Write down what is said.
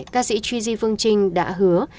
ca sĩ gigi phương trinh đã hứa